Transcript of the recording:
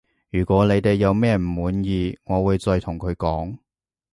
如果你哋有咩唔滿意我會再同佢講